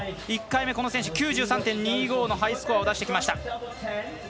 １回目、この選手は９３．２５のハイスコアを出してきました。